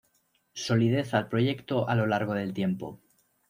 Solidez al proyecto a lo largo del tiempo.